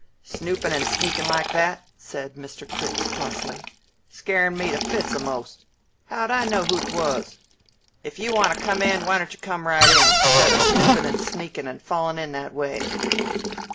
"Snoopin' an' sneakin' like that!" said Mr. Critz crossly. "Scarin' me to fits, a'most. How'd I know who 'twas? If you want to come in, why don't you come right in, 'stead of snoopin' an' sneakin' an' fallin' in that way?"